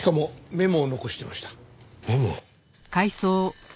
メモ？